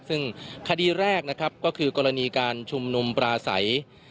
ซึ่งคดีแรกนะครับก็คือกรณีการชุมนุมปลาใส